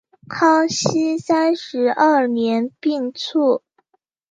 康熙三十二年病卒。